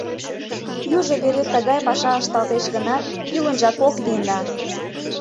Южо вере тыгай паша ышталтеш гынат, кӱлынжак ок вийне.